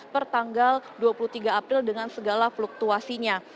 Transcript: pertanggal dua puluh tiga april dengan segala fluktuasinya